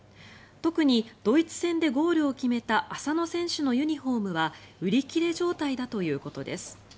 特にドイツ戦でゴールを決めた浅野選手のユニホームは売り切れ状態だということです。